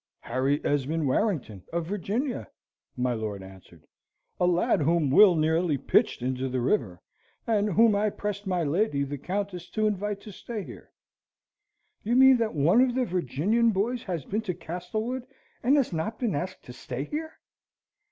"Harry Esmond Warrington, of Virginia," my lord answered: "a lad whom Will nearly pitched into the river, and whom I pressed my lady the Countess to invite to stay here." "You mean that one of the Virginian boys has been to Castlewood, and has not been asked to stay here?"